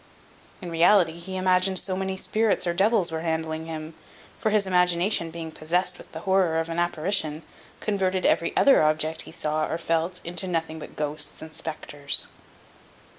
In reality, he imagined so many spirits or devils were handling him; for his imagination being possessed with the horror of an apparition, converted every object he saw or felt into nothing but ghosts and spectres.